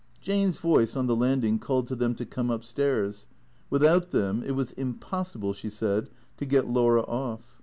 Jane's voice on the landing called to them to come up stairs. Without them it was impossible, she said, to get Laura off.